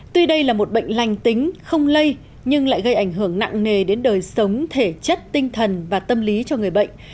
tuy đây là một bệnh lành tính không lây nhưng lại gây ảnh hưởng nặng nề đến đời sống thể chất tinh thần và tâm lý cho người bệnh